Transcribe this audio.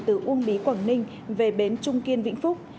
từ uông bí quảng ninh về bến trung kiên vĩnh phúc